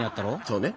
そうね。